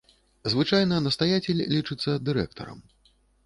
Звычайна настаяцель лічыцца дырэктарам.